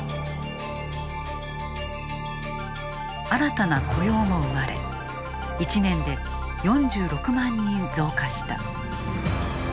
新たな雇用も生まれ１年で４６万人増加した。